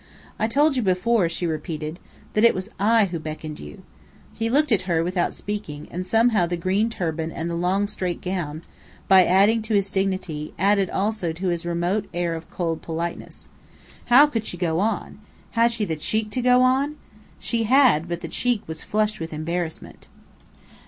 "I told you before," she repeated, "that it was I who beckoned you." He looked at her, without speaking; and somehow the green turban and the long straight gown, by adding to his dignity, added also to his remote air of cold politeness. How could she go on? Had she the cheek to go on? She had; but the cheek was flushed with embarrassment.